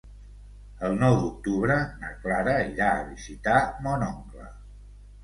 El nou d'octubre na Clara irà a visitar mon oncle.